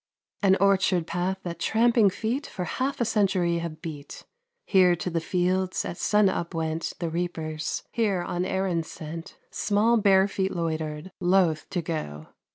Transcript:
An orchard path that tramping feet For half a century have beat; Here to the fields at sun up went The reapers. Here, on errands sent, Small bare feet loitered, loath to go.